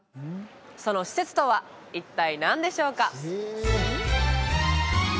その施設とは一体何でしょうか？